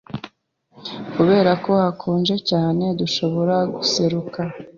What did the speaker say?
Kubera ko hakonje cyane, dushobora guseruka.